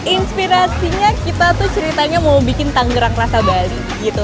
inspirasinya kita tuh ceritanya mau bikin tangerang rasa bali gitu